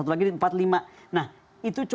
satu lagi di empat puluh lima